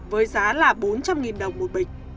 với giá là bốn trăm linh đồng mỗi bịch